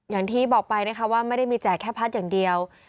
อย่างที่บอกไปนะคะว่าไม่ได้มีแจกแค่พัดอย่างเดียว